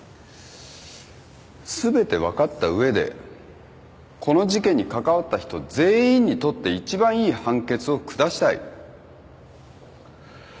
全て分かった上でこの事件に関わった人全員にとって一番いい判決を下したい。